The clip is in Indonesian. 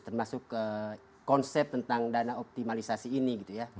termasuk konsep tentang dana optimalisasi ini